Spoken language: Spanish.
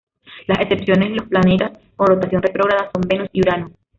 Las excepciones, los planetas con rotación retrógrada, son Venus y Urano.